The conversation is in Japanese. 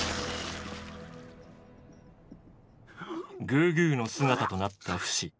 グーグーの姿となったフシ。